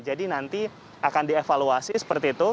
jadi nanti akan dievaluasi seperti itu